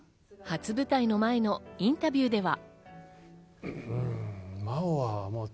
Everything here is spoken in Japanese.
初舞台の前のインタビューでは。